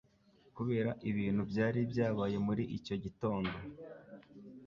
kubera ibintu byari byabaye muri icyo gitondo,